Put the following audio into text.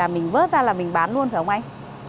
mình vớt ra là mình bán luôn phải không anh